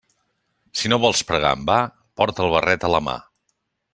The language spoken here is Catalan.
Si no vols pregar en va, porta el barret a la mà.